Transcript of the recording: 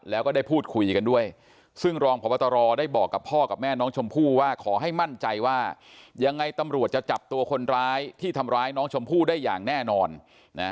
แล้วก็ได้พูดคุยกันด้วยซึ่งรองพบตรได้บอกกับพ่อกับแม่น้องชมพู่ว่าขอให้มั่นใจว่ายังไงตำรวจจะจับตัวคนร้ายที่ทำร้ายน้องชมพู่ได้อย่างแน่นอนนะ